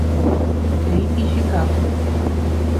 Kei Ishikawa